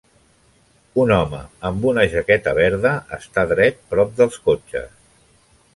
Un home amb una jaqueta verda està dret prop dels cotxes